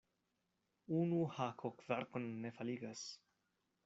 Unu hako kverkon ne faligas.